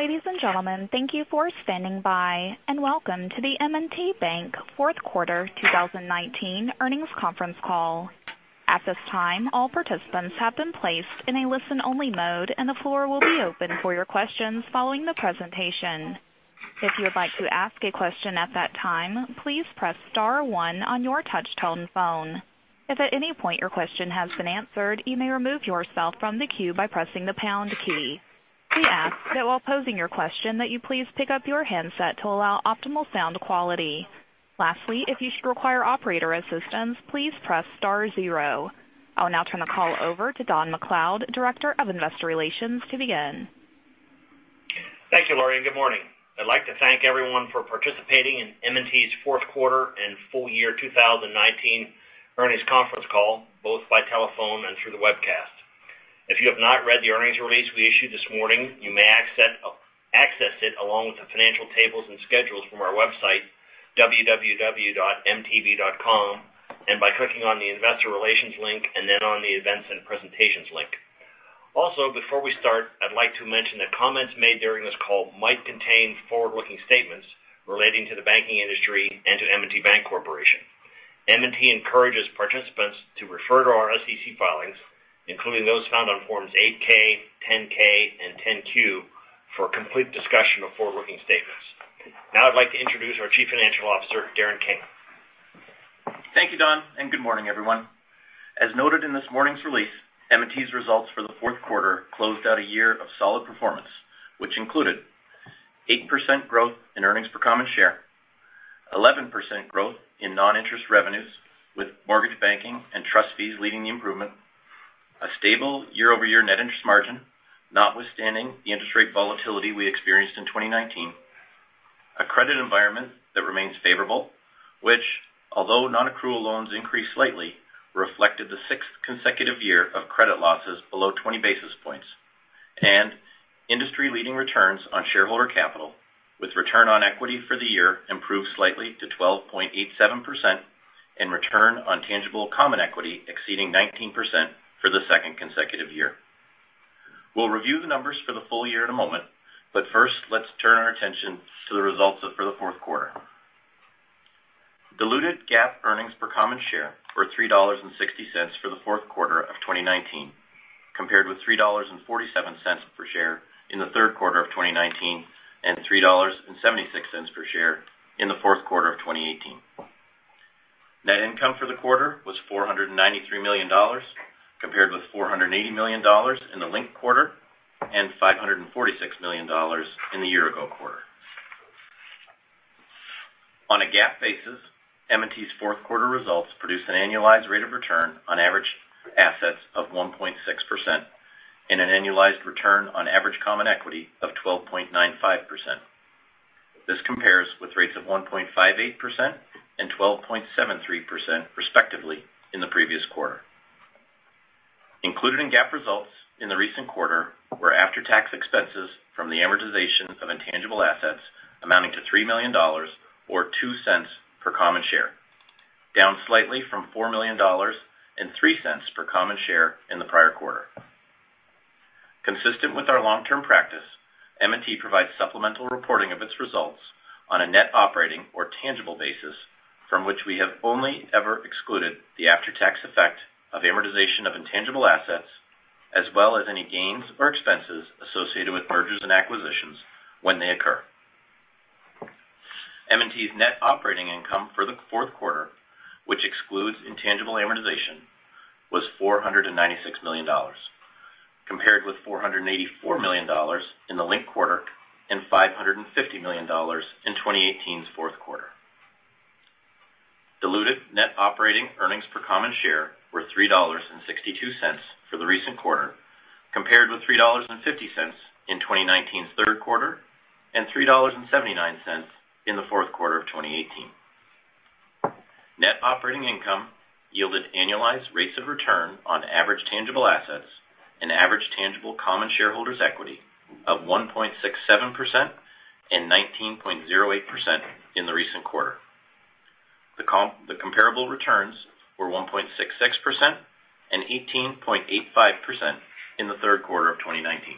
Ladies and gentlemen, thank you for standing by, and welcome to the M&T Bank fourth quarter 2019 earnings conference call. At this time, all participants have been placed in a listen-only mode, and the floor will be open for your questions following the presentation. If you would like to ask a question at that time, please press star one on your touch-tone phone. If at any point your question has been answered, you may remove yourself from the queue by pressing the pound key. We ask that while posing your question that you please pick up your handset to allow optimal sound quality. Lastly, if you should require operator assistance, please press star zero. I'll now turn the call over to Don MacLeod, Director of Investor Relations, to begin. Thank you, Lori, and good morning. I'd like to thank everyone for participating in M&T's fourth quarter and full year 2019 earnings conference call, both by telephone and through the webcast. If you have not read the earnings release we issued this morning, you may access it along with the financial tables and schedules from our website, www.mtb.com, and by clicking on the Investor Relations link and then on the Events and Presentations link. Also, before we start, I'd like to mention that comments made during this call might contain forward-looking statements relating to the banking industry and to M&T Bank Corporation. M&T encourages participants to refer to our SEC filings, including those found on forms 8-K, 10-K, and 10-Q, for a complete discussion of forward-looking statements. Now I'd like to introduce our Chief Financial Officer, Darren King. Thank you, Don. Good morning, everyone. As noted in this morning's release, M&T's results for the fourth quarter closed out a year of solid performance, which included 8% growth in earnings per common share, 11% growth in non-interest revenues with mortgage banking and trust fees leading the improvement, a stable year-over-year net interest margin notwithstanding the interest rate volatility we experienced in 2019, a credit environment that remains favorable, which, although non-accrual loans increased slightly, reflected the sixth consecutive year of credit losses below 20 basis points, and industry-leading returns on shareholder capital, with return on equity for the year improved slightly to 12.87% and return on tangible common equity exceeding 19% for the second consecutive year. We'll review the numbers for the full year in a moment, but first, let's turn our attention to the results for the fourth quarter. Diluted GAAP earnings per common share were $3.60 for the fourth quarter of 2019, compared with $3.47 per share in the third quarter of 2019 and $3.76 per share in the fourth quarter of 2018. Net income for the quarter was $493 million, compared with $480 million in the linked quarter and $546 million in the year-ago quarter. On a GAAP basis, M&T's fourth quarter results produced an annualized rate of return on average assets of 1.6% and an annualized return on average common equity of 12.95%. This compares with rates of 1.58% and 12.73%, respectively, in the previous quarter. Included in GAAP results in the recent quarter were after-tax expenses from the amortization of intangible assets amounting to $3 million, or $0.02 per common share, down slightly from $4 million and $0.03 per common share in the prior quarter. Consistent with our long-term practice, M&T provides supplemental reporting of its results on a net operating or tangible basis from which we have only ever excluded the after-tax effect of amortization of intangible assets, as well as any gains or expenses associated with mergers and acquisitions when they occur. M&T's net operating income for the fourth quarter, which excludes intangible amortization, was $496 million, compared with $484 million in the linked quarter and $550 million in 2018's fourth quarter. Diluted net operating earnings per common share were $3.62 for the recent quarter, compared with $3.50 in 2019's third quarter and $3.79 in the fourth quarter of 2018. Net operating income yielded annualized rates of return on average tangible assets and average tangible common shareholders' equity of 1.67% and 19.08% in the recent quarter. The comparable returns were 1.66% and 18.85% in the third quarter of 2019.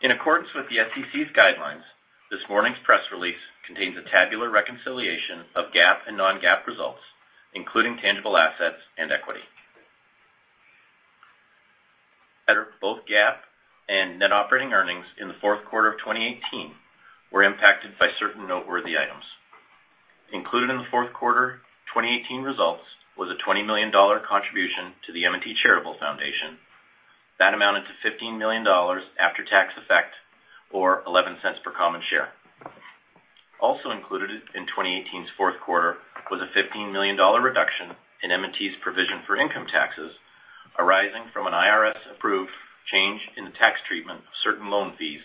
In accordance with the SEC's guidelines, this morning's press release contains a tabular reconciliation of GAAP and non-GAAP results, including tangible assets and equity. Both GAAP and net operating earnings in the fourth quarter of 2018 were impacted by certain noteworthy items. Included in the fourth quarter 2018 results was a $20 million contribution to The M&T Charitable Foundation. That amounted to $15 million after-tax effect, or $0.11 per common share. Also included in 2018's fourth quarter was a $15 million reduction in M&T's provision for income taxes arising from an IRS-approved change in the tax treatment of certain loan fees,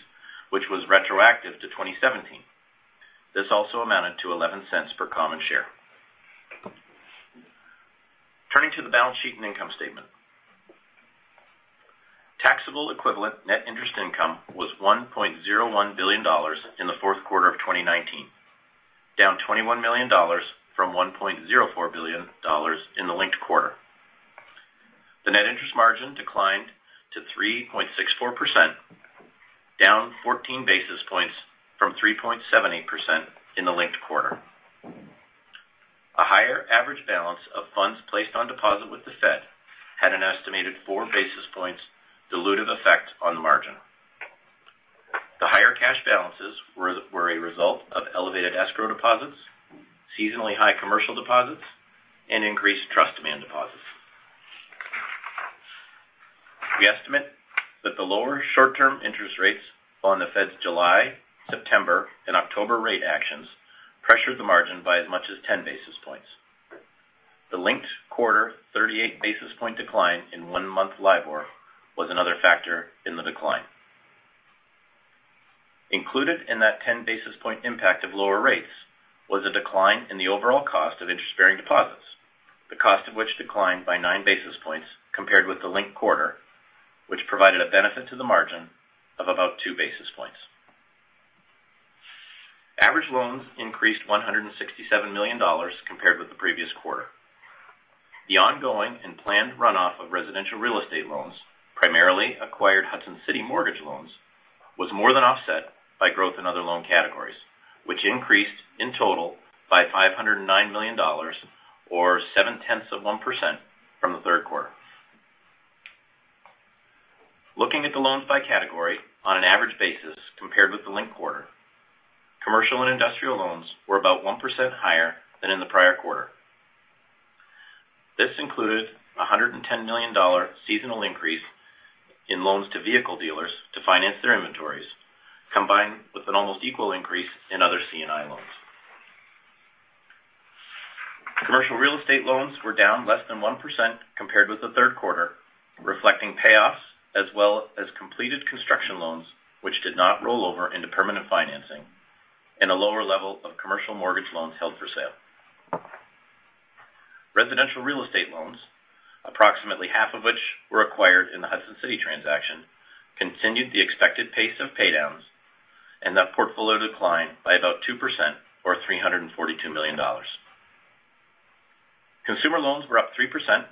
which was retroactive to 2017. This also amounted to $0.11 per common share. Turning to the balance sheet and income statement. Taxable equivalent net interest income was $1.01 billion in the fourth quarter of 2019, down $21 million from $1.04 billion in the linked quarter. The net interest margin declined to 3.64%, down 14 basis points from 3.78% in the linked quarter. A higher average balance of funds placed on deposit with the Fed had an estimated 4 basis points dilutive effect on margin. The higher cash balances were a result of elevated escrow deposits, seasonally high commercial deposits, and increased trust demand deposits. We estimate that the lower short-term interest rates on the Fed's July, September, and October rate actions pressured the margin by as much as 10 basis points. The linked quarter 38 basis point decline in one-month LIBOR was another factor in the decline. Included in that 10 basis point impact of lower rates was a decline in the overall cost of interest-bearing deposits, the cost of which declined by 9 basis points compared with the linked quarter, which provided a benefit to the margin of about 2 basis points. Average loans increased $167 million compared with the previous quarter. The ongoing and planned runoff of residential real estate loans, primarily acquired Hudson City mortgage loans, was more than offset by growth in other loan categories, which increased in total by $509 million, or 7/10 of 1% from the third quarter. Looking at the loans by category on an average basis compared with the linked quarter, commercial and industrial loans were about 1% higher than in the prior quarter. This included a $110 million seasonal increase in loans to vehicle dealers to finance their inventories, combined with an almost equal increase in other C&I loans. Commercial real estate loans were down less than 1% compared with the third quarter, reflecting payoffs, as well as completed construction loans, which did not roll over into permanent financing, and a lower level of commercial mortgage loans held for sale. Residential real estate loans, approximately half of which were acquired in the Hudson City transaction, continued the expected pace of paydowns and that portfolio declined by about 2% or $342 million. Consumer loans were up 3%,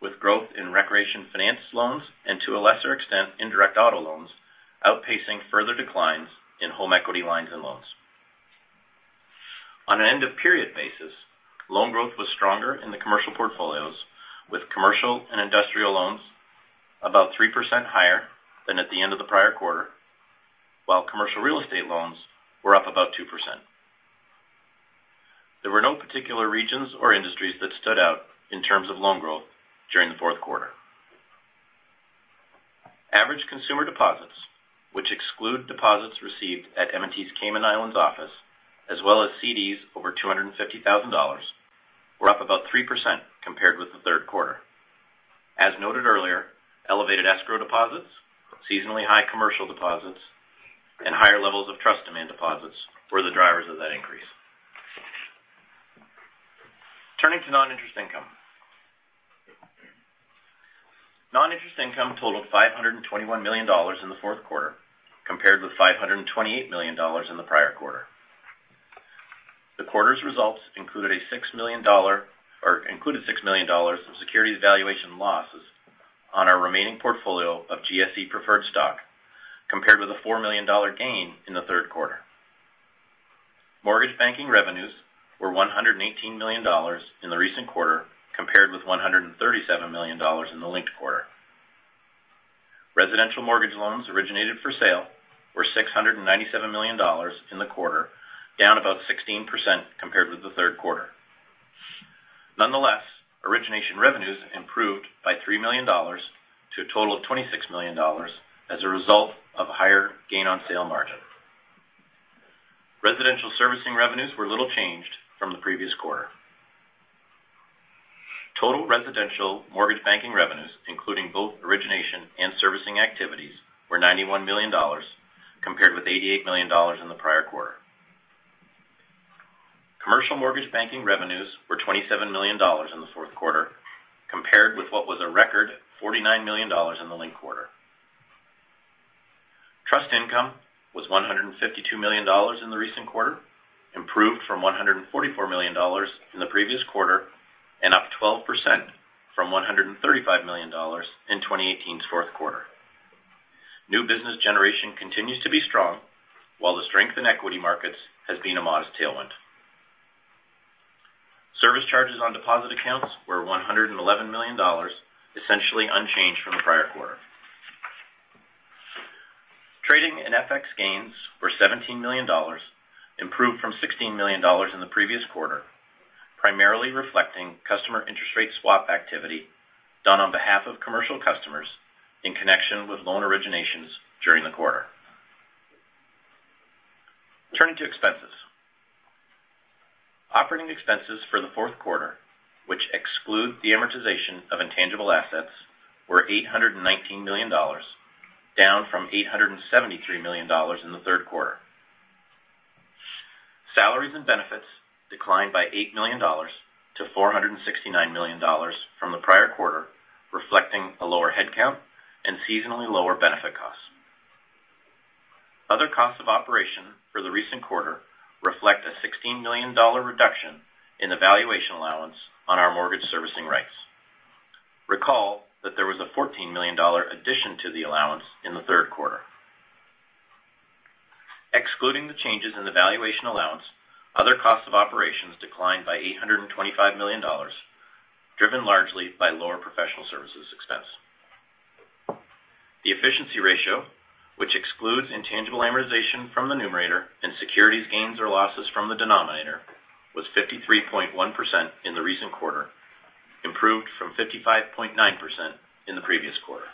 with growth in recreation finance loans, and to a lesser extent, indirect auto loans, outpacing further declines in home equity lines and loans. On an end-of-period basis, loan growth was stronger in the commercial portfolios, with commercial and industrial loans about 3% higher than at the end of the prior quarter, while commercial real estate loans were up about 2%. There were no particular regions or industries that stood out in terms of loan growth during the fourth quarter. Average consumer deposits, which exclude deposits received at M&T's Cayman Islands office, as well as CDs over $250,000, were up about 3% compared with the third quarter. As noted earlier, elevated escrow deposits, seasonally high commercial deposits, and higher levels of trust demand deposits were the drivers of that increase. Turning to non-interest income. Non-interest income totaled $521 million in the fourth quarter, compared with $528 million in the prior quarter. The quarter's results included $6 million of securities valuation losses on our remaining portfolio of GSE preferred stock, compared with a $4 million gain in the third quarter. Mortgage banking revenues were $118 million in the recent quarter, compared with $137 million in the linked quarter. Residential mortgage loans originated for sale were $697 million in the quarter, down about 16% compared with the third quarter. Nonetheless, origination revenues improved by $3 million to a total of $26 million as a result of a higher gain on sale margin. Residential servicing revenues were little changed from the previous quarter. Total residential mortgage banking revenues, including both origination and servicing activities, were $91 million, compared with $88 million in the prior quarter. Commercial mortgage banking revenues were $27 million in the fourth quarter, compared with what was a record $49 million in the linked quarter. Trust income was $152 million in the recent quarter, improved from $144 million in the previous quarter, and up 12% from $135 million in 2018's fourth quarter. New business generation continues to be strong, while the strength in equity markets has been a modest tailwind. Service charges on deposit accounts were $111 million, essentially unchanged from the prior quarter. Trading and FX gains were $17 million, improved from $16 million in the previous quarter, primarily reflecting customer interest rate swap activity done on behalf of commercial customers in connection with loan originations during the quarter. Turning to expenses. Operating expenses for the fourth quarter, which exclude the amortization of intangible assets, were $819 million, down from $873 million in the third quarter. Salaries and benefits declined by $8 million to $469 million from the prior quarter, reflecting a lower headcount and seasonally lower benefit costs. Other costs of operation for the recent quarter reflect a $16 million reduction in the valuation allowance on our mortgage servicing rights. Recall that there was a $14 million addition to the allowance in the third quarter. Excluding the changes in the valuation allowance, other costs of operations declined by $825 million, driven largely by lower professional services expense. The efficiency ratio, which excludes intangible amortization from the numerator and securities gains or losses from the denominator, was 53.1% in the recent quarter, improved from 55.9% in the previous quarter.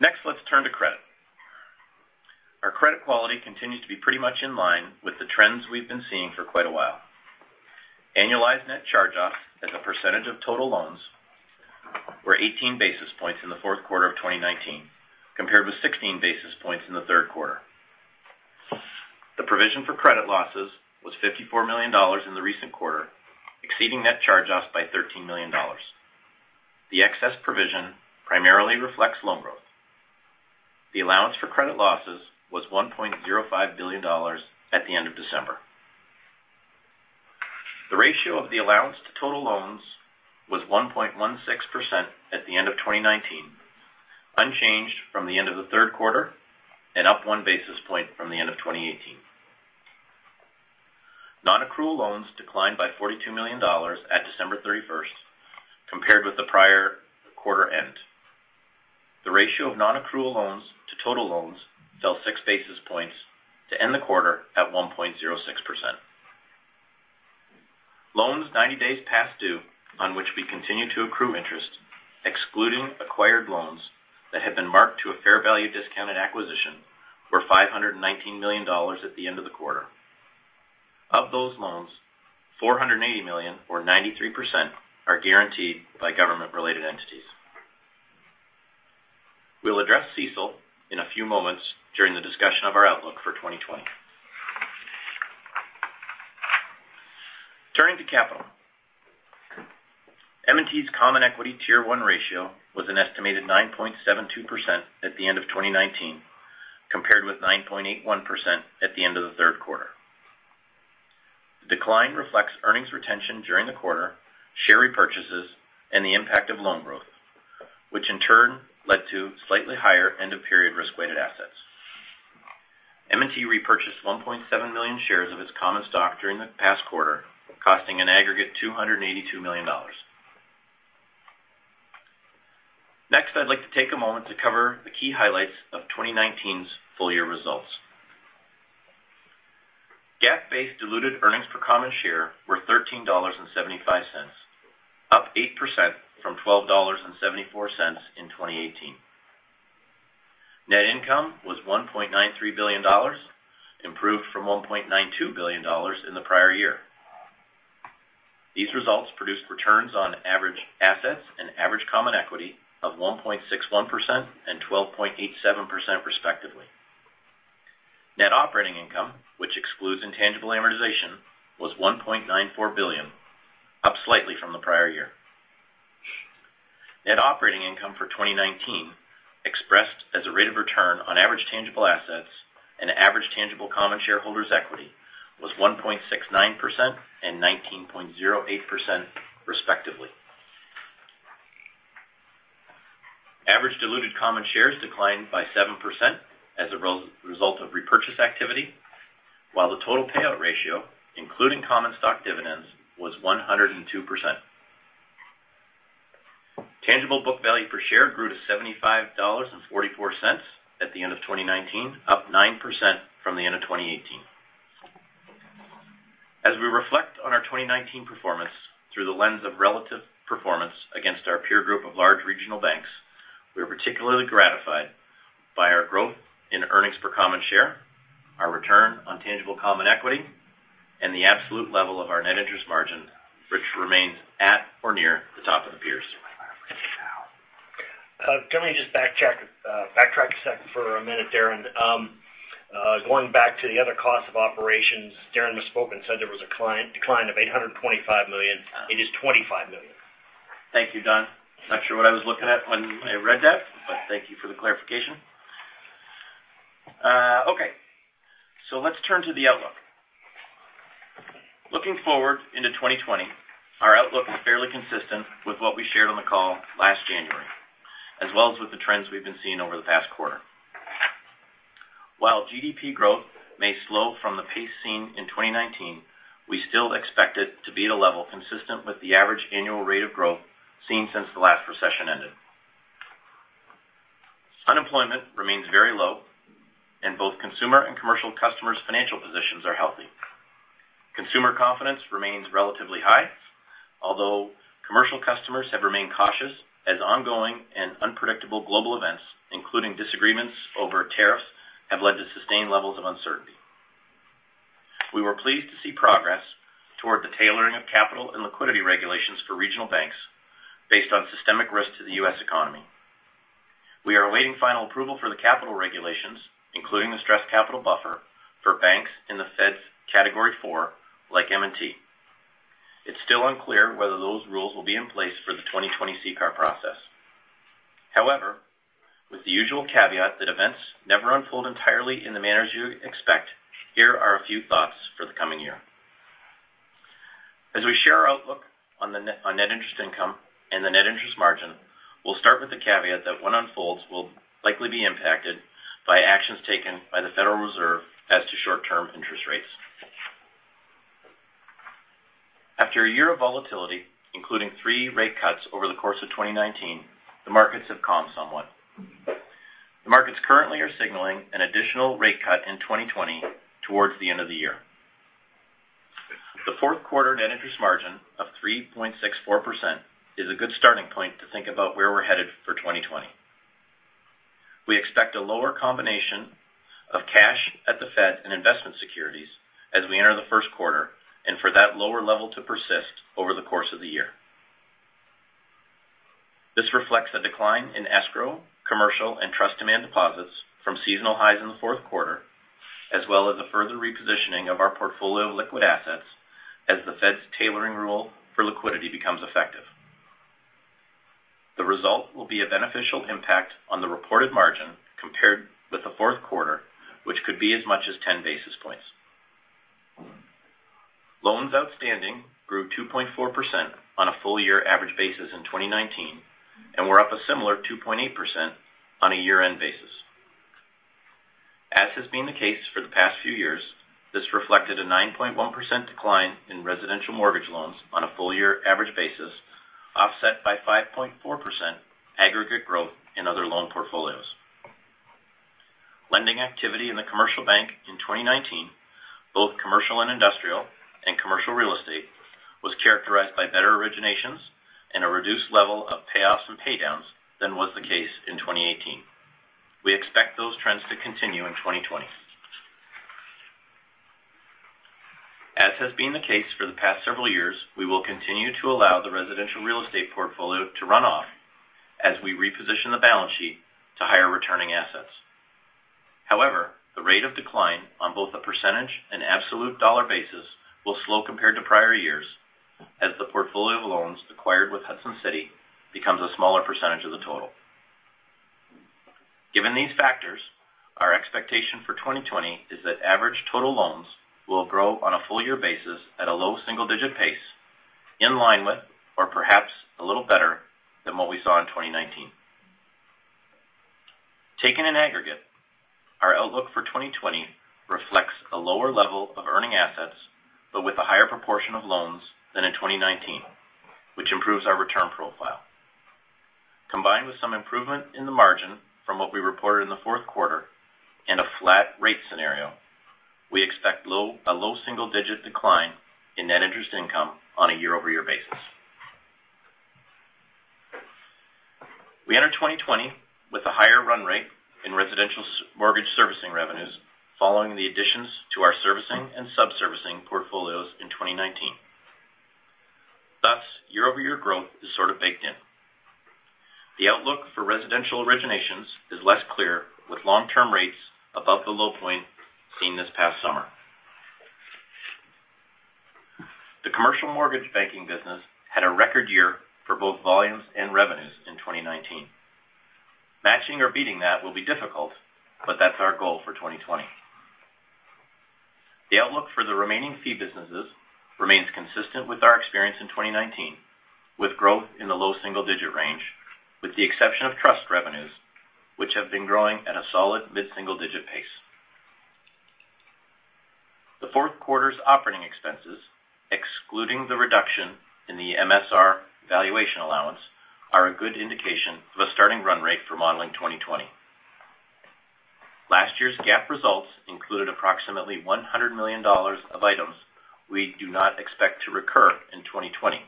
Next, let's turn to credit. Our credit quality continues to be pretty much in line with the trends we've been seeing for quite a while. Annualized net charge-offs as a percentage of total loans were 18 basis points in the fourth quarter of 2019, compared with 16 basis points in the third quarter. The provision for credit losses was $54 million in the recent quarter, exceeding net charge-offs by $13 million. The excess provision primarily reflects loan growth. The allowance for credit losses was $1.05 billion at the end of December. The ratio of the allowance to total loans was 1.16% at the end of 2019, unchanged from the end of the third quarter, and up 1 basis point from the end of 2018. Non-accrual loans declined by $42 million at December 31st, compared with the prior quarter end. The ratio of non-accrual loans to total loans fell 6 basis points to end the quarter at 1.06%. Loans 90 days past due on which we continue to accrue interest, excluding acquired loans that have been marked to a fair value discount at acquisition, were $519 million at the end of the quarter. Of those loans, $480 million, or 93%, are guaranteed by government-related entities. We'll address CECL in a few moments during the discussion of our outlook for 2020. Turning to capital. M&T's Common Equity Tier 1 ratio was an estimated 9.72% at the end of 2019, compared with 9.81% at the end of the third quarter. The decline reflects earnings retention during the quarter, share repurchases, and the impact of loan growth, which in turn led to slightly higher end-of-period risk-weighted assets. M&T repurchased 1.7 million shares of its common stock during the past quarter, costing an aggregate $282 million. I'd like to take a moment to cover the key highlights of 2019's full-year results. GAAP-based diluted earnings per common share were $13.75, up 8% from $12.74 in 2018. Net income was $1.93 billion, improved from $1.92 billion in the prior year. These results produced returns on average assets and average common equity of 1.61% and 12.87%, respectively. Net operating income, which excludes intangible amortization, was $1.94 billion, up slightly from the prior year. Net operating income for 2019 expressed as a rate of return on average tangible assets and average tangible common shareholders' equity was 1.69% and 19.08%, respectively. Average diluted common shares declined by 7% as a result of repurchase activity, while the total payout ratio, including common stock dividends, was 102%. Tangible book value per share grew to $75.44 at the end of 2019, up 9% from the end of 2018. As we reflect on our 2019 performance through the lens of relative performance against our peer group of large regional banks, we are particularly gratified by our growth in earnings per common share, our return on tangible common equity, and the absolute level of our net interest margin, which remains at or near the top of the peers. Can I just backtrack a second for a minute there? Going back to the other cost of operations, Darren misspoke and said there was a decline of $825 million. It is $25 million. Thank you, Don. Not sure what I was looking at when I read that, but thank you for the clarification. Okay. Let's turn to the outlook. Looking forward into 2020, our outlook is fairly consistent with what we shared on the call last January, as well as with the trends we've been seeing over the past quarter. While GDP growth may slow from the pace seen in 2019, we still expect it to be at a level consistent with the average annual rate of growth seen since the last recession ended. Unemployment remains very low, and both consumer and commercial customers' financial positions are healthy. Consumer confidence remains relatively high, although commercial customers have remained cautious as ongoing and unpredictable global events, including disagreements over tariffs, have led to sustained levels of uncertainty. We were pleased to see progress toward the tailoring of capital and liquidity regulations for regional banks based on systemic risk to the U.S. economy. We are awaiting final approval for the capital regulations, including the stress capital buffer for banks in the Fed's Category IV, like M&T. It's still unclear whether those rules will be in place for the 2020 CCAR process. However, with the usual caveat that events never unfold entirely in the manner you expect, here are a few thoughts for the coming year. As we share our outlook on net interest income and the net interest margin, we'll start with the caveat that what unfolds will likely be impacted by actions taken by the Federal Reserve as to short-term interest rates. After a year of volatility, including three rate cuts over the course of 2019, the markets have calmed somewhat. The markets currently are signaling an additional rate cut in 2020 towards the end of the year. The fourth quarter net interest margin of 3.64% is a good starting point to think about where we're headed for 2020. We expect a lower combination of cash at the Fed and investment securities as we enter the first quarter, and for that lower level to persist over the course of the year. This reflects a decline in escrow, commercial, and trust demand deposits from seasonal highs in the fourth quarter, as well as the further repositioning of our portfolio of liquid assets as the Fed's tailoring rule for liquidity becomes effective. The result will be a beneficial impact on the reported margin compared with the fourth quarter, which could be as much as 10 basis points. Loans outstanding grew 2.4% on a full year average basis in 2019, and were up a similar 2.8% on a year-end basis. As has been the case for the past few years, this reflected a 9.1% decline in residential mortgage loans on a full year average basis, offset by 5.4% aggregate growth in other loan portfolios. Lending activity in the commercial bank in 2019, both commercial and industrial and commercial real estate, was characterized by better originations and a reduced level of payoffs and paydowns than was the case in 2018. We expect those trends to continue in 2020. As has been the case for the past several years, we will continue to allow the residential real estate portfolio to run off as we reposition the balance sheet to higher-returning assets. However, the rate of decline on both a percentage and absolute dollar basis will slow compared to prior years as the portfolio of loans acquired with Hudson City becomes a smaller percentage of the total. Given these factors, our expectation for 2020 is that average total loans will grow on a full year basis at a low single-digit pace, in line with or perhaps a little better than what we saw in 2019. Taken in aggregate, our outlook for 2020 reflects a lower level of earning assets, but with a higher proportion of loans than in 2019, which improves our return profile. Combined with some improvement in the margin from what we reported in the fourth quarter and a flat rate scenario, we expect a low single-digit decline in net interest income on a year-over-year basis. We enter 2020 with a higher run rate in residential mortgage servicing revenues following the additions to our servicing and sub-servicing portfolios in 2019. Year-over-year growth is sort of baked in. The outlook for residential originations is less clear with long-term rates above the low point seen this past summer. The commercial mortgage banking business had a record year for both volumes and revenues in 2019. Matching or beating that will be difficult, but that's our goal for 2020. The outlook for the remaining fee businesses remains consistent with our experience in 2019, with growth in the low single-digit range, with the exception of trust revenues, which have been growing at a solid mid-single digit pace. The fourth quarter's operating expenses, excluding the reduction in the MSR valuation allowance, are a good indication of a starting run rate for modeling 2020. Last year's GAAP results included approximately $100 million of items we do not expect to recur in 2020.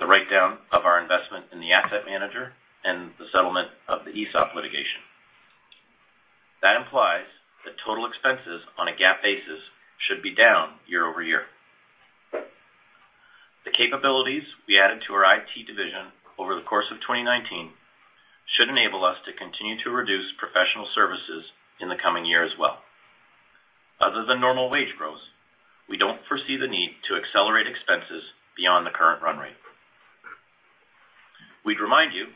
The write-down of our investment in the asset manager and the settlement of the ESOP litigation. That implies that total expenses on a GAAP basis should be down year-over-year. The capabilities we added to our IT division over the course of 2019 should enable us to continue to reduce professional services in the coming year as well. Other than normal wage growth, we don't foresee the need to accelerate expenses beyond the current run rate. We'd remind you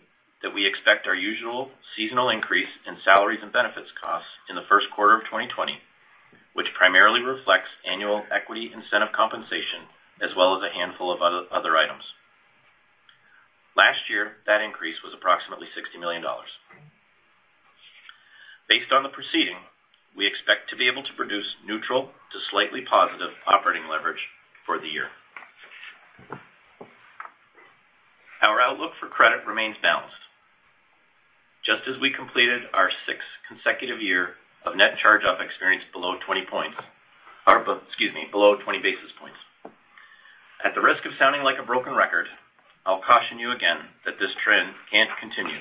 that we expect our usual seasonal increase in salaries and benefits costs in the first quarter of 2020, which primarily reflects annual equity incentive compensation as well as a handful of other items. Last year, that increase was approximately $60 million. Based on the preceding, we expect to be able to produce neutral to slightly positive operating leverage for the year. Our outlook for credit remains balanced. Just as we completed our sixth consecutive year of net charge-off experience below 20 basis points. At the risk of sounding like a broken record, I'll caution you again that this trend can't continue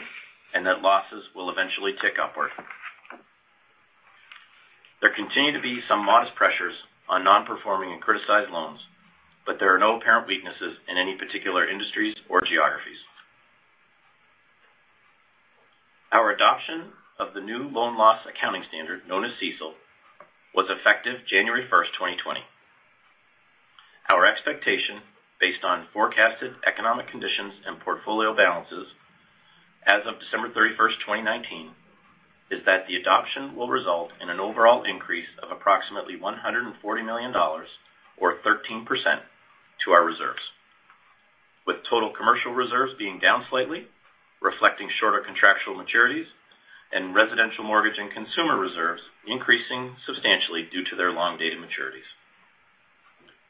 and that losses will eventually tick upward. There continue to be some modest pressures on non-performing and criticized loans, but there are no apparent weaknesses in any particular industries or geographies. Our adoption of the new loan loss accounting standard, known as CECL, was effective January 1st, 2020. Our expectation, based on forecasted economic conditions and portfolio balances as of December 31st, 2019, is that the adoption will result in an overall increase of approximately $140 million or 13% to our reserves, with total commercial reserves being down slightly, reflecting shorter contractual maturities and residential mortgage and consumer reserves increasing substantially due to their long-dated maturities.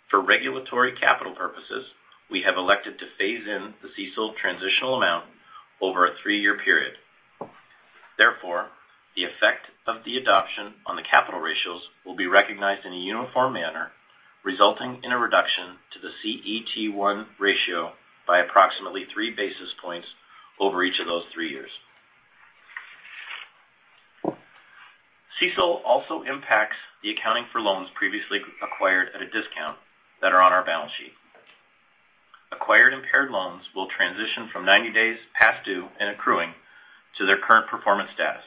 For regulatory capital purposes, we have elected to phase in the CECL transitional amount over a three-year period. Therefore, the effect of the adoption on the capital ratios will be recognized in a uniform manner, resulting in a reduction to the CET1 ratio by approximately 3 basis points over each of those three years. CECL also impacts the accounting for loans previously acquired at a discount that are on our balance sheet. Acquired impaired loans will transition from 90 days past due and accruing to their current performance status,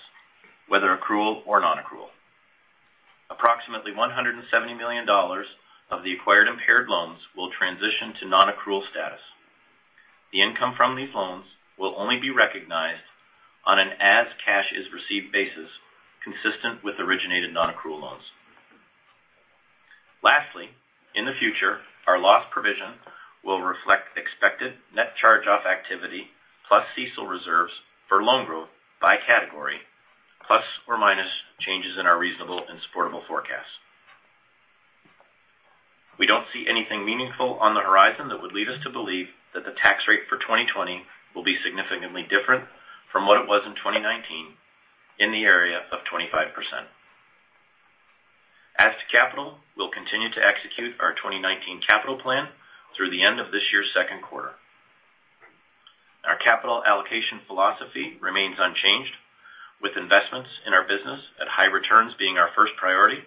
whether accrual or non-accrual. Approximately $170 million of the acquired impaired loans will transition to non-accrual status. The income from these loans will only be recognized on an as cash is received basis, consistent with originated non-accrual loans. Lastly, in the future, our loss provision will reflect expected net charge-off activity plus CECL reserves for loan growth by category, plus or minus changes in our reasonable and supportable forecasts. We don't see anything meaningful on the horizon that would lead us to believe that the tax rate for 2020 will be significantly different from what it was in 2019, in the area of 25%. As to capital, we'll continue to execute our 2019 capital plan through the end of this year's second quarter. Our capital allocation philosophy remains unchanged, with investments in our business at high returns being our first priority,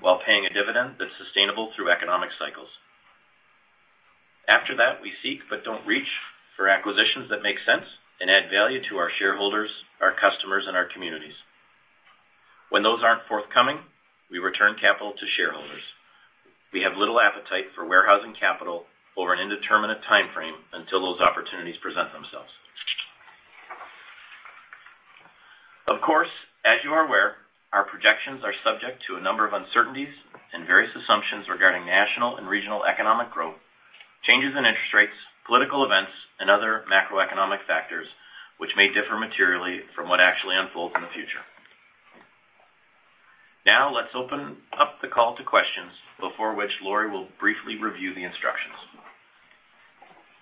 while paying a dividend that's sustainable through economic cycles. We seek but don't reach for acquisitions that make sense and add value to our shareholders, our customers, and our communities. When those aren't forthcoming, we return capital to shareholders. We have little appetite for warehousing capital over an indeterminate timeframe until those opportunities present themselves. As you are aware, our projections are subject to a number of uncertainties and various assumptions regarding national and regional economic growth, changes in interest rates, political events, and other macroeconomic factors, which may differ materially from what actually unfolds in the future. Let's open up the call to questions, before which Lori will briefly review the instructions.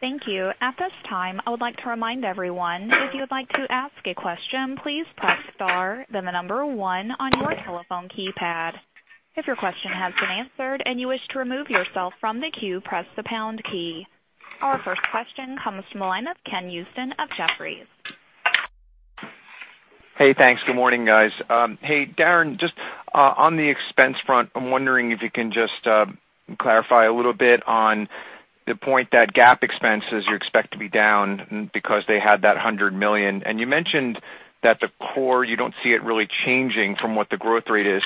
Thank you. At this time, I would like to remind everyone, if you would like to ask a question, please press star then the number one on your telephone keypad. If your question has been answered and you wish to remove yourself from the queue, press the pound key. Our first question comes from the line of Ken Usdin of Jefferies. Thanks. Good morning, guys. Darren, just on the expense front, I'm wondering if you can just clarify a little bit on the point that GAAP expenses you expect to be down because they had that $100 million. You mentioned that the core, you don't see it really changing from what the growth rate is.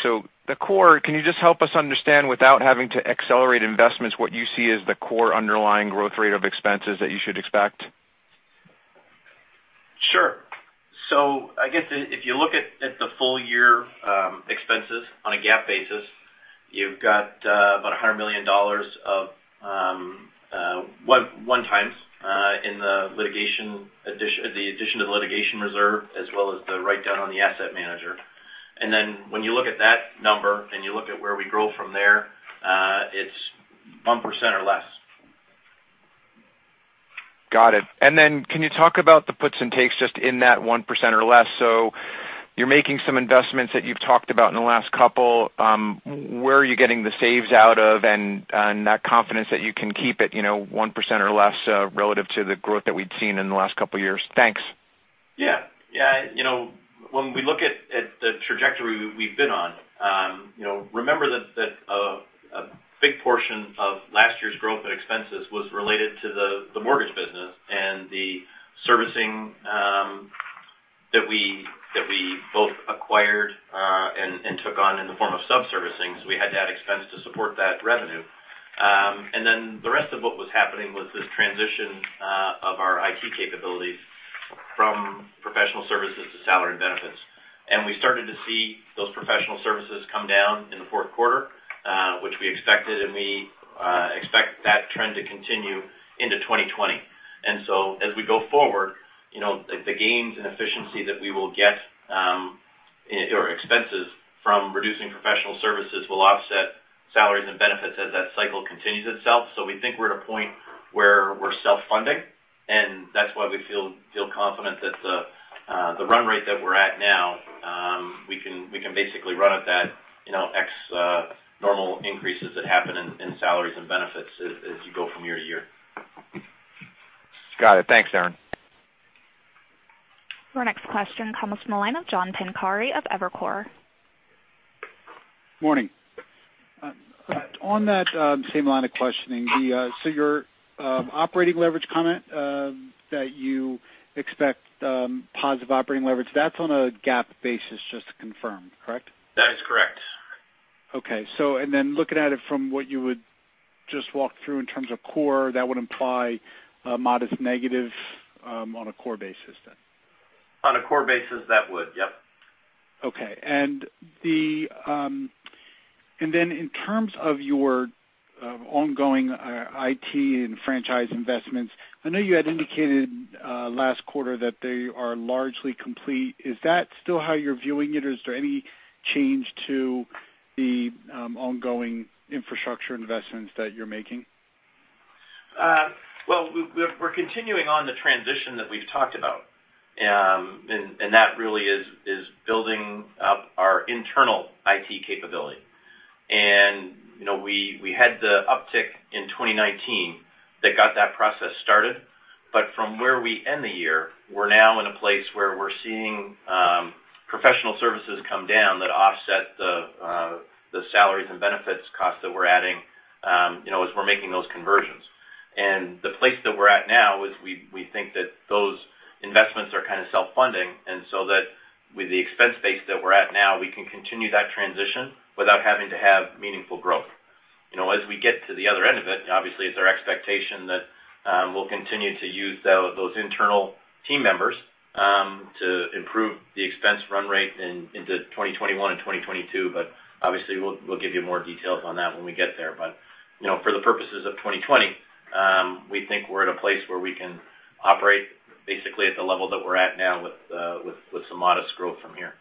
The core, can you just help us understand, without having to accelerate investments, what you see as the core underlying growth rate of expenses that you should expect? Sure. I guess if you look at the full year expenses on a GAAP basis, you've got about $100 million of one-times in the addition to the litigation reserve, as well as the write-down on the asset manager. When you look at that number and you look at where we grow from there, it's 1% or less. Got it. Can you talk about the puts and takes just in that 1% or less? You're making some investments that you've talked about in the last couple. Where are you getting the saves out of and that confidence that you can keep it 1% or less relative to the growth that we'd seen in the last couple of years? Thanks. Yeah. When we look at the trajectory we've been on, remember that a big portion of last year's growth and expenses was related to the mortgage business and the servicing that we both acquired and took on in the form of sub-servicing. We had to add expense to support that revenue. The rest of what was happening was this transition of our IT capabilities from professional services to salary and benefits. We started to see those professional services come down in the fourth quarter, which we expected, and we expect that trend to continue into 2020. As we go forward, the gains in efficiency that we will get, or expenses from reducing professional services will offset salaries and benefits as that cycle continues itself. We think we're at a point where we're self-funding, and that's why we feel confident that the run rate that we're at now, we can basically run at that ex normal increases that happen in salaries and benefits as you go from year to year. Got it. Thanks, Darren. Our next question comes from the line of John Pancari of Evercore. Morning. On that same line of questioning, your operating leverage comment, that you expect positive operating leverage, that's on a GAAP basis, just to confirm, correct? That is correct. Okay. Looking at it from what you would just walk through in terms of core, that would imply a modest negative on a core basis then. On a core basis, that would. Yep. Okay. In terms of your ongoing IT and franchise investments, I know you had indicated last quarter that they are largely complete. Is that still how you're viewing it, or is there any change to the ongoing infrastructure investments that you're making? Well, we're continuing on the transition that we've talked about. That really is building up our internal IT capability. We had the uptick in 2019 that got that process started. From where we end the year, we're now in a place where we're seeing professional services come down that offset the salaries and benefits cost that we're adding as we're making those conversions. The place that we're at now is we think that those investments are kind of self-funding, with the expense base that we're at now, we can continue that transition without having to have meaningful growth. As we get to the other end of it, obviously, it's our expectation that we'll continue to use those internal team members to improve the expense run rate into 2021 and 2022. Obviously, we'll give you more details on that when we get there. For the purposes of 2020, we think we're at a place where we can operate basically at the level that we're at now with some modest growth from here.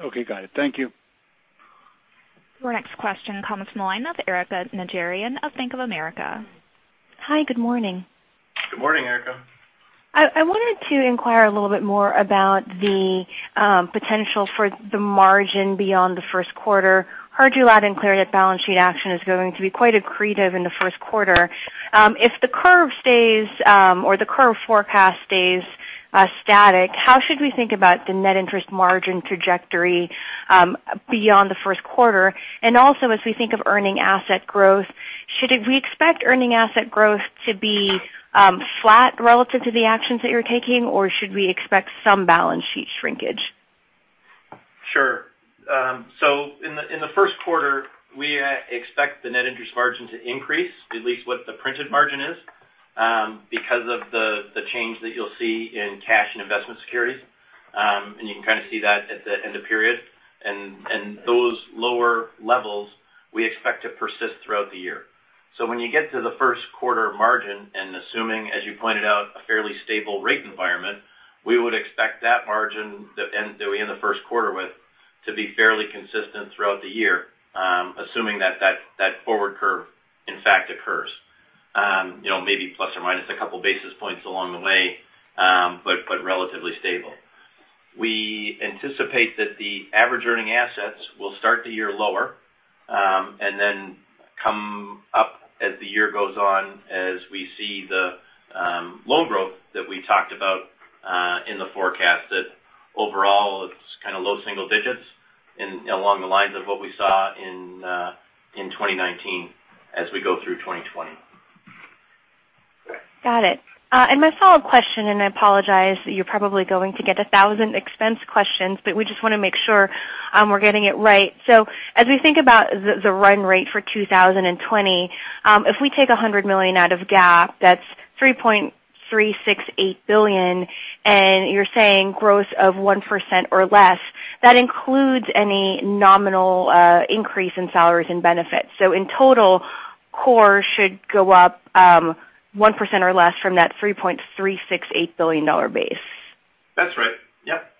Okay, got it. Thank you. Our next question comes from the line of Erika Najarian of Bank of America. Hi, good morning. Good morning, Erika. I wanted to inquire a little bit more about the potential for the margin beyond the first quarter. Heard you loud and clear that balance sheet action is going to be quite accretive in the first quarter. If the curve stays or the curve forecast stays static, how should we think about the net interest margin trajectory beyond the first quarter? Also, as we think of earning asset growth, should we expect earning asset growth to be flat relative to the actions that you're taking, or should we expect some balance sheet shrinkage? Sure. In the first quarter, we expect the net interest margin to increase, at least what the printed margin is because of the change that you'll see in cash and investment securities. You can kind of see that at the end of period. Those lower levels we expect to persist throughout the year. When you get to the first quarter margin, and assuming, as you pointed out, a fairly stable rate environment, we would expect that margin that we end the first quarter with to be fairly consistent throughout the year, assuming that forward curve in fact occurs. Maybe plus or minus a couple basis points along the way but relatively stable. We anticipate that the average earning assets will start the year lower, and then come up as the year goes on as we see the loan growth that we talked about in the forecast that overall it's kind of low single digits and along the lines of what we saw in 2019 as we go through 2020. Got it. My follow-up question, I apologize, you're probably going to get 1,000 expense questions, we just want to make sure we're getting it right. As we think about the run rate for 2020, if we take $100 million out of GAAP, that's $3.368 billion, you're saying growth of 1% or less, that includes any nominal increase in salaries and benefits. In total, core should go up 1% or less from that $3.368 billion base. That's right. Yep.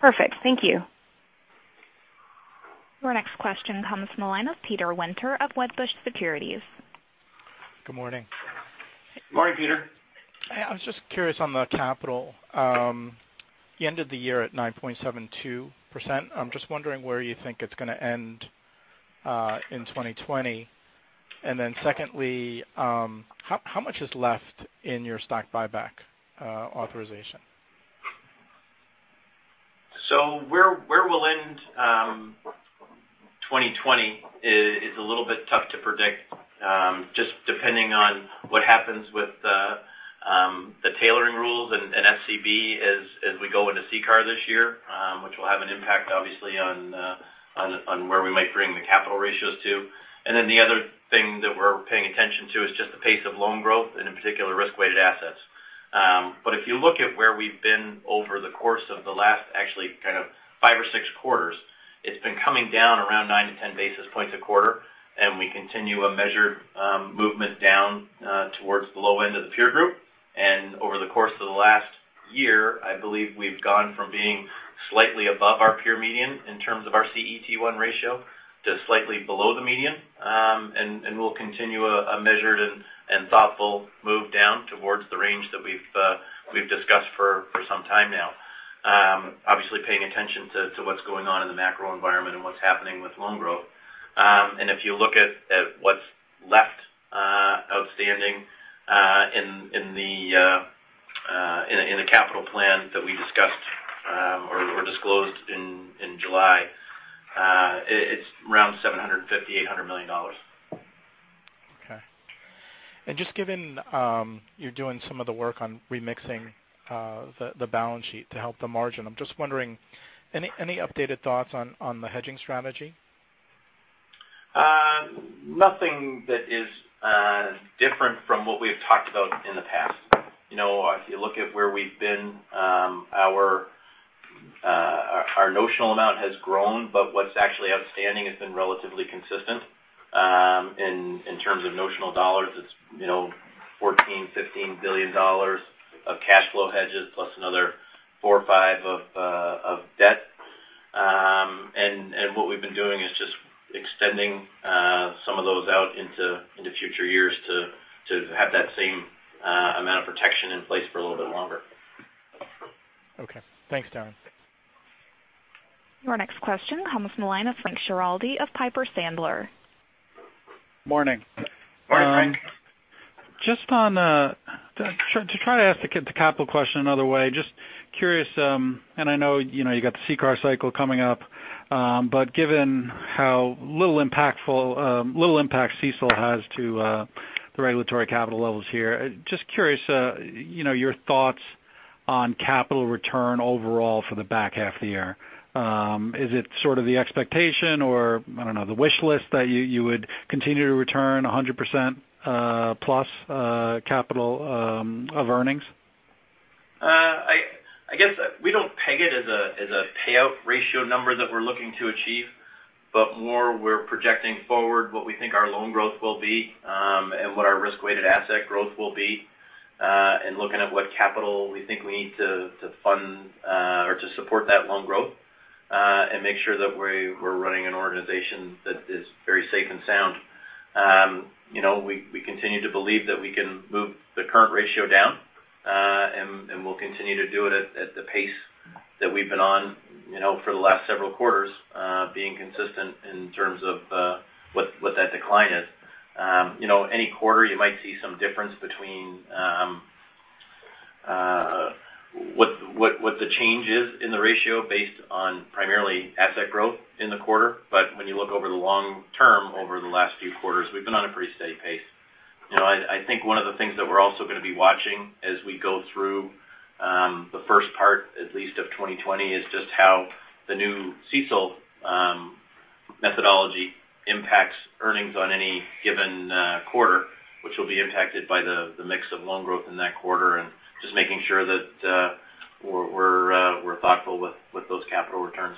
Perfect. Thank you. Our next question comes from the line of Peter Winter of Wedbush Securities. Good morning. Morning, Peter. I was just curious on the capital. You ended the year at 9.72%. I'm just wondering where you think it's going to end in 2020. Secondly, how much is left in your stock buyback authorization? Where we'll end 2020 is a little bit tough to predict. Just depending on what happens with the tailoring rules and SCB as we go into CCAR this year which will have an impact obviously on where we might bring the capital ratios to. The other thing that we're paying attention to is just the pace of loan growth and in particular risk-weighted assets. If you look at where we've been over the course of the last actually kind of five or six quarters, it's been coming down around 9 basis points-10 basis points a quarter, and we continue a measured movement down towards the low end of the peer group. Over the course of the last year, I believe we've gone from being slightly above our peer median in terms of our CET1 ratio to slightly below the median. We'll continue a measured and thoughtful move down towards the range that we've discussed for some time now. Obviously paying attention to what's going on in the macro environment and what's happening with loan growth. If you look at what's left in the capital plan that we discussed or disclosed in July, it's around $750 million-$800 million. Okay. Just given you're doing some of the work on remixing the balance sheet to help the margin, I'm just wondering, any updated thoughts on the hedging strategy? Nothing that is different from what we've talked about in the past. If you look at where we've been, our notional amount has grown, but what's actually outstanding has been relatively consistent. In terms of notional dollars, it's $14 billion-$15 billion of cash flow hedges plus another $4 billion or $5 billion of debt. What we've been doing is just extending some of those out into the future years to have that same amount of protection in place for a little bit longer. Okay. Thanks, Darren. Your next question comes from the line of Frank Schiraldi of Piper Sandler. Morning. Morning, Frank. Just to try to ask the capital question another way, just curious, and I know you got the CCAR cycle coming up. Given how little impact CECL has to the regulatory capital levels here, just curious, your thoughts on capital return overall for the back half of the year. Is it sort of the expectation or, I don't know, the wish list that you would continue to return 100% plus capital of earnings? I guess we don't peg it as a payout ratio number that we're looking to achieve, but more we're projecting forward what we think our loan growth will be and what our risk-weighted asset growth will be, and looking at what capital we think we need to fund or to support that loan growth. Make sure that we're running an organization that is very safe and sound. We continue to believe that we can move the current ratio down. We'll continue to do it at the pace that we've been on for the last several quarters, being consistent in terms of what that decline is. Any quarter, you might see some difference between what the change is in the ratio based on primarily asset growth in the quarter. When you look over the long term, over the last few quarters, we've been on a pretty steady pace. I think one of the things that we're also going to be watching as we go through the first part, at least, of 2020, is just how the new CECL methodology impacts earnings on any given quarter, which will be impacted by the mix of loan growth in that quarter, and just making sure that we're thoughtful with those capital returns.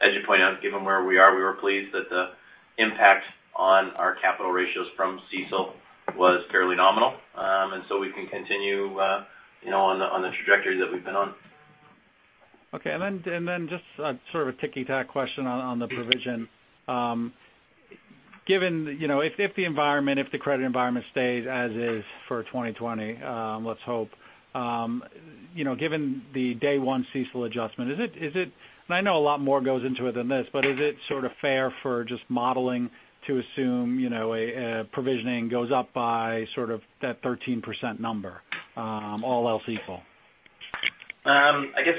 As you point out, given where we are, we were pleased that the impact on our capital ratios from CECL was fairly nominal. We can continue on the trajectory that we've been on. Okay. Then just sort of a ticky-tack question on the provision. If the credit environment stays as is for 2020, let's hope. Given the day one CECL adjustment, and I know a lot more goes into it than this, but is it sort of fair for just modeling to assume a provisioning goes up by sort of that 13% number, all else equal? I guess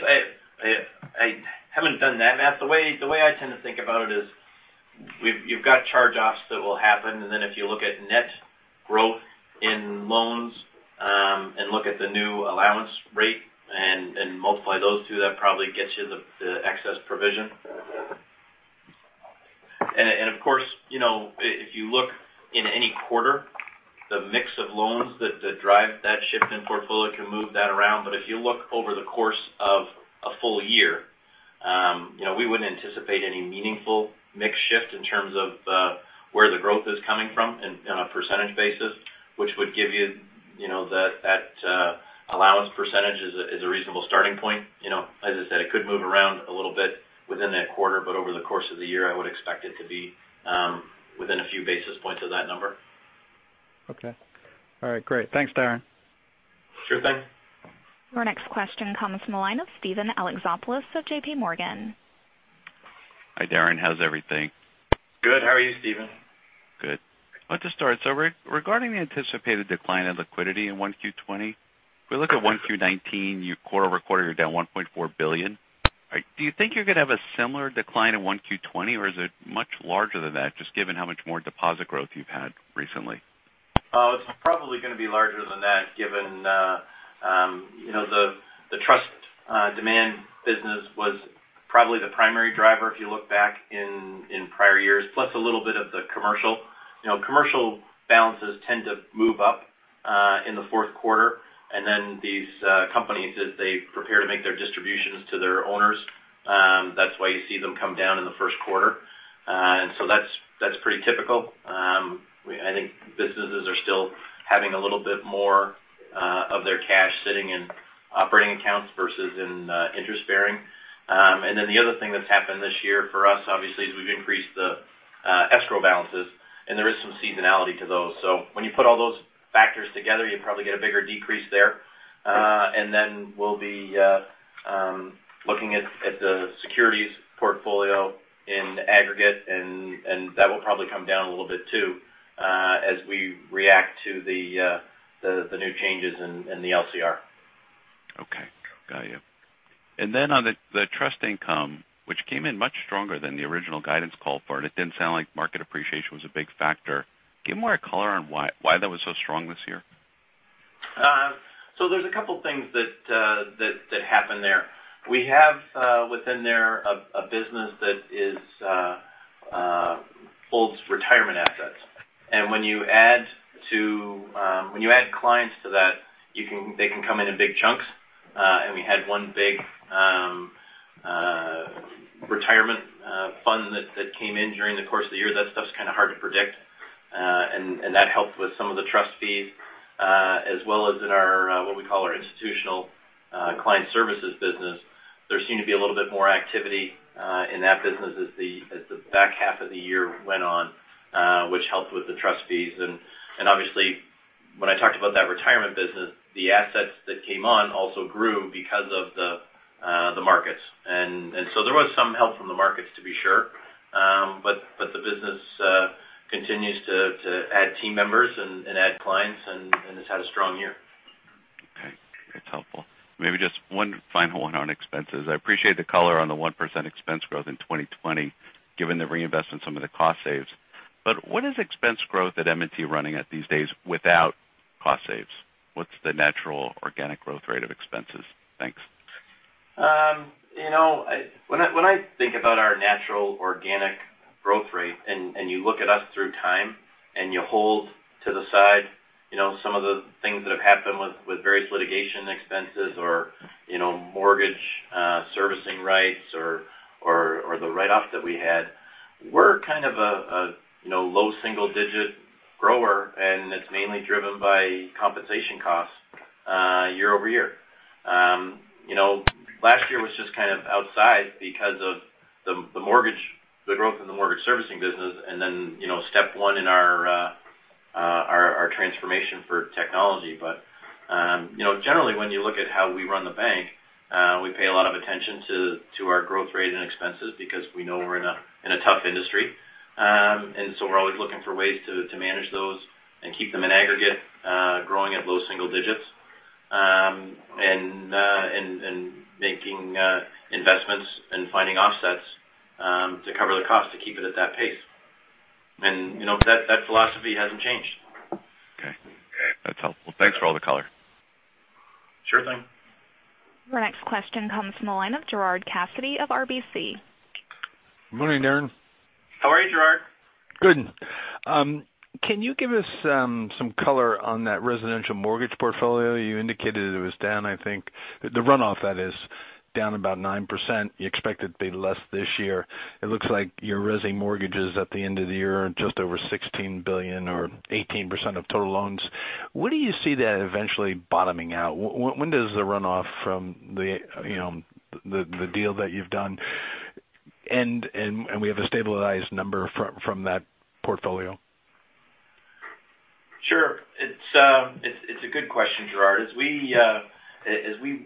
I haven't done that math. The way I tend to think about it is you've got charge-offs that will happen. Then if you look at net growth in loans and look at the new allowance rate and multiply those two, that probably gets you the excess provision. Of course, if you look in any quarter, the mix of loans that drive that shift in portfolio can move that around. If you look over the course of a full year, we wouldn't anticipate any meaningful mix shift in terms of where the growth is coming from on a percentage basis, which would give you that allowance percentage as a reasonable starting point. As I said, it could move around a little bit within that quarter, but over the course of the year, I would expect it to be within a few basis points of that number. Okay. All right, great. Thanks, Darren. Sure thing. Our next question comes from the line of Steven Alexopoulos of JPMorgan. Hi, Darren. How's everything? Good. How are you, Steven? Good. Well, to start, regarding the anticipated decline in liquidity in 1Q 2020, if we look at 1Q 2019, quarter-over-quarter, you're down $1.4 billion. Do you think you're going to have a similar decline in 1Q 2020 or is it much larger than that, just given how much more deposit growth you've had recently? It's probably going to be larger than that given the trust demand business was probably the primary driver if you look back in prior years, plus a little bit of the commercial. Commercial balances tend to move up in the fourth quarter. These companies, as they prepare to make their distributions to their owners, that's why you see them come down in the first quarter. That's pretty typical. I think businesses are still having a little bit more of their cash sitting in operating accounts versus in interest-bearing. The other thing that's happened this year for us, obviously, is we've increased the escrow balances, and there is some seasonality to those. When you put all those factors together, you probably get a bigger decrease there. Then we'll be looking at the securities portfolio in aggregate, and that will probably come down a little bit too as we react to the new changes in the LCR. Okay. Got you. On the trust income, which came in much stronger than the original guidance call for it didn't sound like market appreciation was a big factor. Give more color on why that was so strong this year? There's a couple things that happened there. We have within there a business that holds retirement assets. When you add clients to that, they can come in in big chunks. We had one big retirement fund that came in during the course of the year. That stuff's kind of hard to predict. That helped with some of the trust fees as well as in our, what we call our institutional client services business. There seemed to be a little bit more activity in that business as the back half of the year went on, which helped with the trust fees. Obviously, when I talked about that retirement business, the assets that came on also grew because of the markets. There was some help from the markets to be sure. The business continues to add team members and add clients and has had a strong year. Okay. That's helpful. Maybe just one final one on expenses. I appreciate the color on the 1% expense growth in 2020 given the reinvestment, some of the cost saves. What is expense growth at M&T running at these days without cost saves? What's the natural organic growth rate of expenses? Thanks. When I think about our natural organic growth rate, and you look at us through time, and you hold to the side some of the things that have happened with various litigation expenses or mortgage servicing rights or the write-off that we had, we're kind of a low single-digit grower, and it's mainly driven by compensation costs year-over-year. Last year was just kind of outside because of the growth in the mortgage servicing business, and then step one in our transformation for technology. Generally, when you look at how we run the bank, we pay a lot of attention to our growth rate and expenses because we know we're in a tough industry. We're always looking for ways to manage those and keep them in aggregate growing at low single digits. Making investments and finding offsets to cover the cost to keep it at that pace. That philosophy hasn't changed. Okay. That's helpful. Thanks for all the color. Sure thing. Our next question comes from the line of Gerard Cassidy of RBC. Morning, Darren. How are you, Gerard? Good. Can you give us some color on that residential mortgage portfolio? You indicated it was down, I think. The runoff, that is, down about 9%. You expect it to be less this year. It looks like your resi mortgages at the end of the year are just over $16 billion or 18% of total loans. Where do you see that eventually bottoming out? When does the runoff from the deal that you've done end, and we have a stabilized number from that portfolio? Sure. It's a good question, Gerard. As we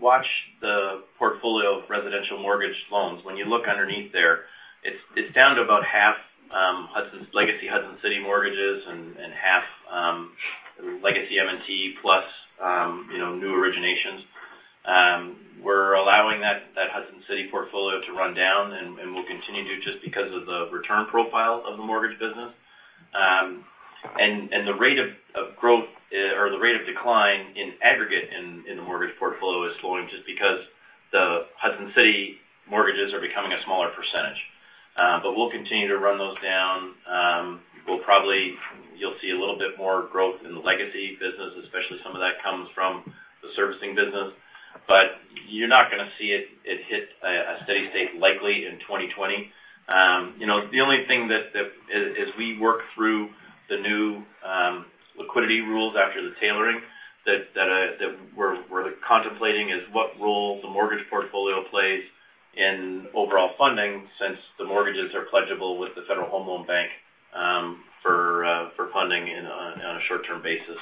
watch the portfolio of residential mortgage loans, when you look underneath there, it's down to about half Hudson's legacy Hudson City mortgages and half legacy M&T plus new originations. We're allowing that Hudson City portfolio to run down, and we'll continue to just because of the return profile of the mortgage business. The rate of growth or the rate of decline in aggregate in the mortgage portfolio is slowing just because the Hudson City mortgages are becoming a smaller percentage. We'll continue to run those down. You'll see a little bit more growth in the legacy business, especially some of that comes from the servicing business. You're not going to see it hit a steady state likely in 2020. The only thing as we work through the new liquidity rules after the tailoring that we're contemplating is what role the mortgage portfolio plays in overall funding since the mortgages are pledgeable with the Federal Home Loan Bank for funding on a short-term basis.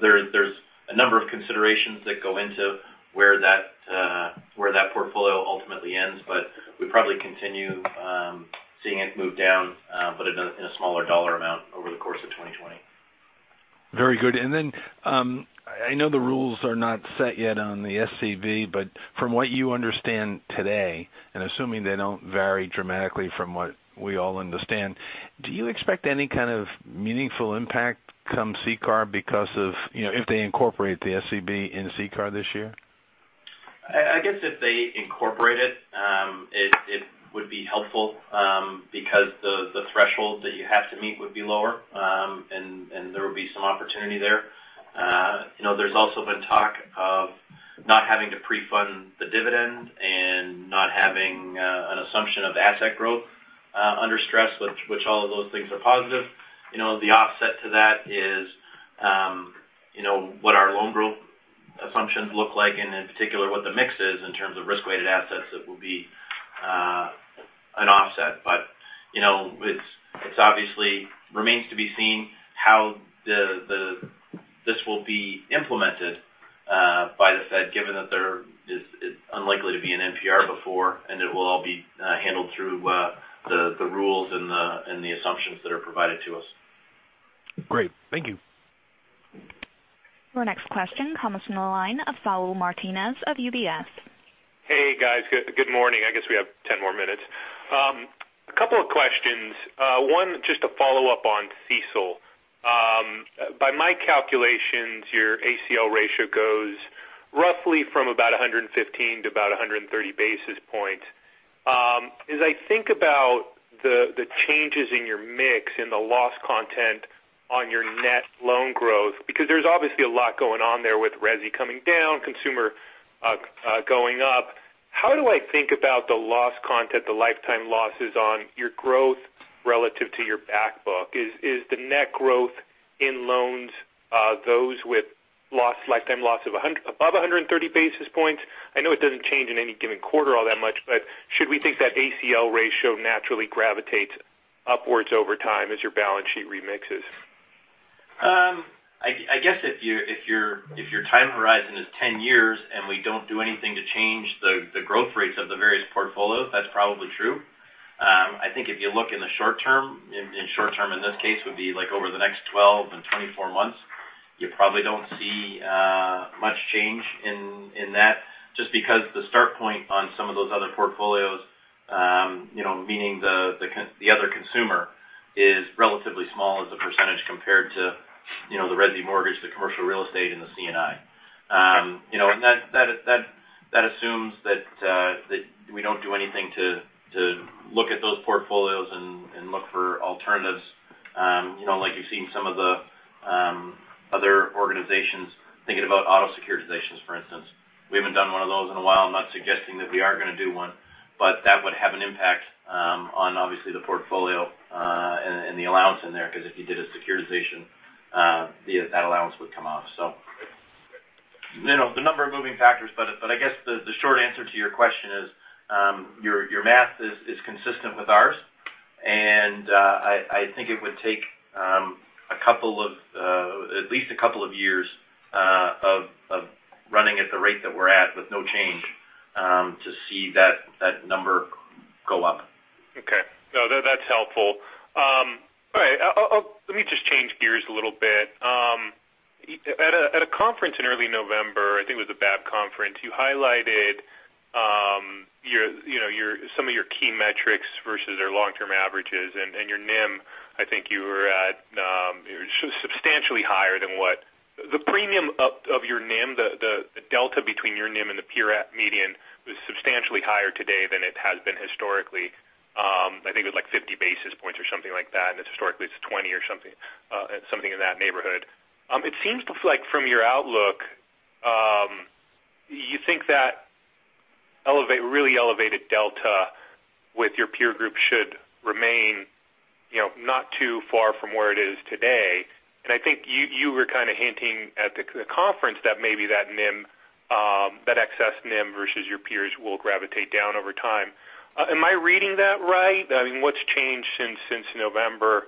There's a number of considerations that go into where that portfolio ultimately ends, but we probably continue seeing it move down but in a smaller dollar amount over the course of 2020. Very good. I know the rules are not set yet on the SCB, but from what you understand today, and assuming they don't vary dramatically from what we all understand, do you expect any kind of meaningful impact come CCAR because of if they incorporate the SCB in CCAR this year? I guess if they incorporate it would be helpful because the threshold that you have to meet would be lower, and there would be some opportunity there. There's also been talk of not having to pre-fund the dividend and not having an assumption of asset growth under stress, which all of those things are positive. The offset to that is what our loan growth assumptions look like, and in particular, what the mix is in terms of risk-weighted assets that will be an offset. It obviously remains to be seen how this will be implemented by the Fed, given that there is unlikely to be an NPR before, and it will all be handled through the rules and the assumptions that are provided to us. Great. Thank you. Your next question comes from the line of Saul Martinez of UBS. Hey, guys. Good morning. I guess we have 10 more minutes. A couple of questions. One, just to follow up on CECL. By my calculations, your ACL ratio goes roughly from about 115 basis points-130 basis points. As I think about the changes in your mix and the loss content on your net loan growth, because there's obviously a lot going on there with resi coming down, consumer going up. How do I think about the loss content, the lifetime losses on your growth relative to your back book? Is the net growth in loans those with lifetime loss of above 130 basis points? I know it doesn't change in any given quarter all that much, should we think that ACL ratio naturally gravitates upwards over time as your balance sheet remixes? I guess if your time horizon is 10 years and we don't do anything to change the growth rates of the various portfolios, that's probably true. I think if you look in the short term, in this case, would be over the next 12 and 24 months, you probably don't see much change in that just because the start point on some of those other portfolios meaning the other consumer is relatively small as a percentage compared to the resi mortgage, the commercial real estate, and the C&I. That assumes that we don't do anything to look at those portfolios and look for alternatives like you've seen some of the other organizations thinking about auto securitizations, for instance. We haven't done one of those in a while. I'm not suggesting that we are going to do one, but that would have an impact on obviously the portfolio and the allowance in there, because if you did a securitization, that allowance would come off. The number of moving factors, but I guess the short answer to your question is your math is consistent with ours, and I think it would take at least a couple of years of running at the rate that we're at with no change to see that number go up. Okay. No, that's helpful. All right. Let me just change gears a little bit. At a conference in early November, I think it was the BAAB conference, you highlighted some of your key metrics versus their long-term averages and your NIM, I think you were at substantially higher than what the premium of your NIM, the delta between your NIM and the peer at median was substantially higher today than it has been historically. I think it was like 50 basis points or something like that, and it's historically it's 20 basis points or something in that neighborhood. It seems like from your outlook you think that really elevated delta with your peer group should remain not too far from where it is today. I think you were kind of hinting at the conference that maybe that excess NIM versus your peers will gravitate down over time. Am I reading that right? I mean, what's changed since November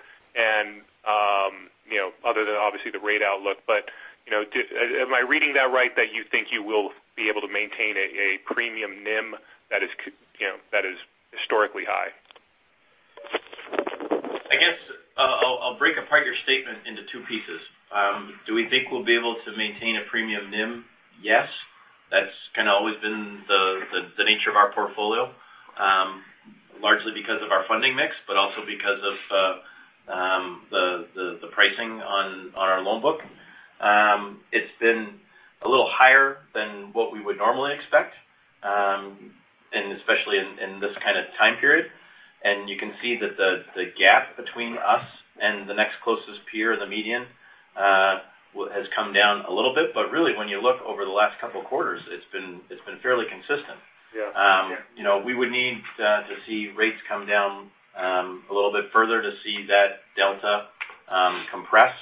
other than obviously the rate outlook? Am I reading that right that you think you will be able to maintain a premium NIM that is historically high? I guess I'll break apart your statement into two pieces. Do we think we'll be able to maintain a premium NIM? Yes. That's kind of always been the nature of our portfolio. Largely because of our funding mix, but also because of the pricing on our loan book. It's been a little higher than what we would normally expect especially in this kind of time period. You can see that the gap between us and the next closest peer or the median has come down a little bit. Really, when you look over the last couple of quarters, it's been fairly consistent. Yeah. We would need to see rates come down a little bit further to see that delta compress.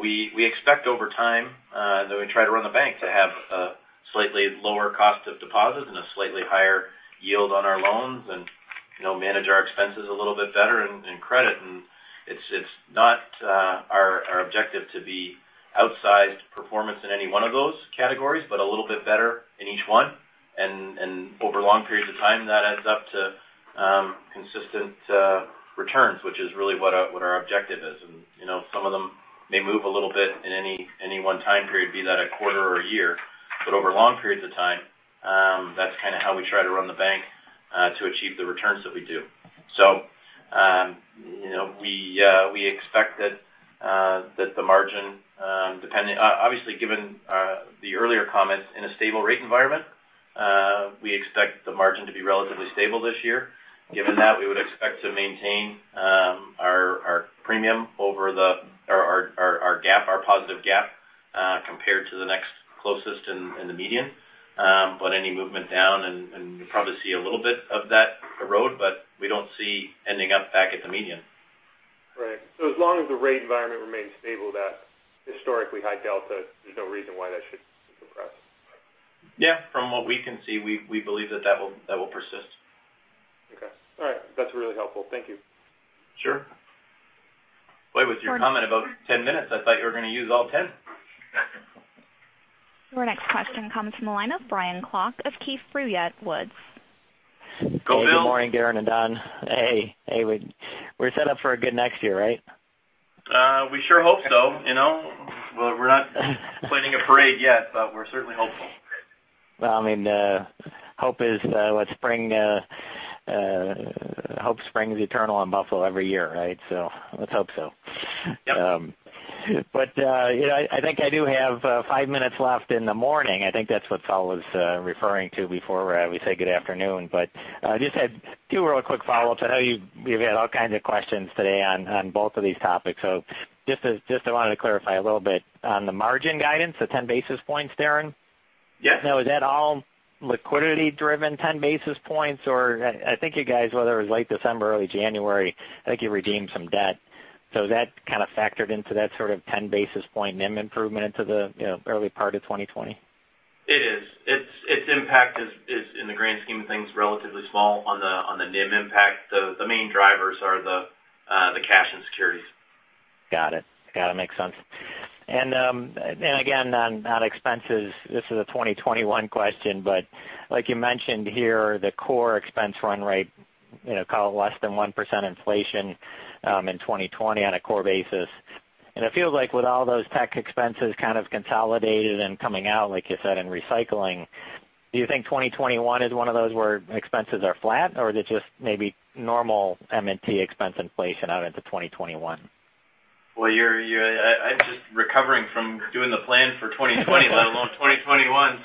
We expect over time that we try to run the bank to have a slightly lower cost of deposits and a slightly higher yield on our loans and manage our expenses a little bit better in credit. It's not our objective to be outsized performance in any one of those categories, but a little bit better in each one. Over long periods of time, that adds up to consistent returns, which is really what our objective is. Some of them may move a little bit in any one time period, be that a quarter or a year, but over long periods of time that's kind of how we try to run the bank to achieve the returns that we do. We expect that the margin obviously given the earlier comments in a stable rate environment we expect the margin to be relatively stable this year. Given that we would expect to maintain our premium over our positive gap compared to the next closest in the median. Any movement down and you'll probably see a little bit of that erode, but we don't see ending up back at the median. Right. As long as the rate environment remains stable, that historically high delta, there's no reason why that should depress. Yeah. From what we can see, we believe that will persist. Okay. All right. That's really helpful. Thank you. Sure. Boy, with your comment about 10 minutes, I thought you were going to use all 10. Your next question comes from the line of Brian Klock of Keefe, Bruyette & Woods. Go, Bill. Good morning, Darren and Don. Hey. We're set up for a good next year, right? We sure hope so. We're not planning a parade yet, but we're certainly hopeful. Well, hope springs eternal in Buffalo every year, right? Let's hope so. Yep. I think I do have five minutes left in the morning. I think that's what Saul was referring to before we say good afternoon. Just had two real quick follow-ups. I know you've had all kinds of questions today on both of these topics. Just I wanted to clarify a little bit on the margin guidance, the 10 basis points, Darren? Yes. Is that all liquidity-driven 10 basis points, or I think you guys, whether it was late December, early January, I think you redeemed some debt, is that kind of factored into that sort of 10 basis point NIM improvement into the early part of 2020? It is. Its impact is, in the grand scheme of things, relatively small on the NIM impact. The main drivers are the cash and securities. Got it. Makes sense. Again, on expenses, this is a 2021 question, but like you mentioned here, the core expense run rate, call it less than 1% inflation in 2020 on a core basis. It feels like with all those tech expenses kind of consolidated and coming out, like you said, in recycling, do you think 2021 is one of those where expenses are flat, or is it just maybe normal M&T expense inflation out into 2021? Well, I'm just recovering from doing the plan for 2020, let alone 2021.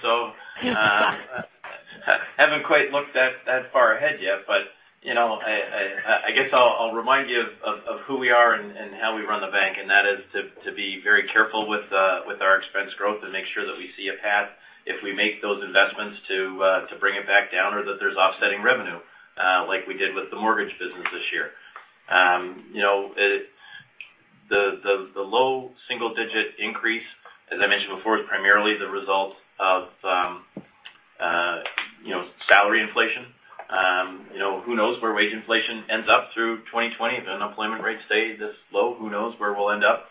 Haven't quite looked that far ahead yet, but I guess I'll remind you of who we are and how we run the bank, and that is to be very careful with our expense growth and make sure that we see a path if we make those investments to bring it back down or that there's offsetting revenue, like we did with the mortgage business this year. The low single-digit increase, as I mentioned before, is primarily the result of salary inflation. Who knows where wage inflation ends up through 2020? If the unemployment rates stay this low, who knows where we'll end up.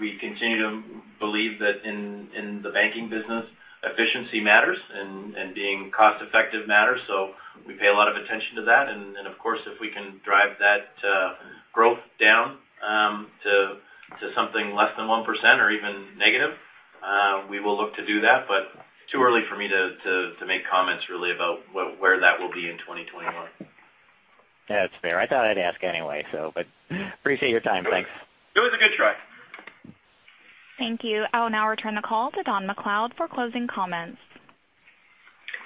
We continue to believe that in the banking business, efficiency matters and being cost-effective matters. We pay a lot of attention to that. Of course, if we can drive that growth down to something less than 1% or even negative, we will look to do that. Too early for me to make comments really about where that will be in 2021. Yeah, that's fair. I thought I'd ask anyway, so, but appreciate your time. Thanks. It was a good try. Thank you. I will now return the call to Don MacLeod for closing comments.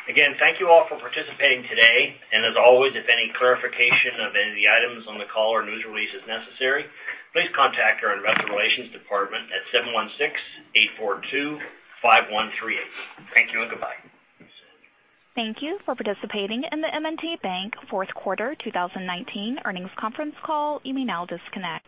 Again, thank you all for participating today. As always, if any clarification of any of the items on the call or news release is necessary, please contact our Investor Relations department at 716-842-5138. Thank you and goodbye. Thank you for participating in the M&T Bank fourth quarter 2019 earnings conference call. You may now disconnect.